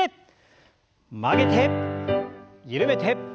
曲げて緩めて。